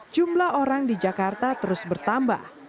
jumlah orang di jakarta terus bertambah